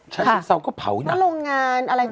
ชะชั่งเศาะก็เผาหนัก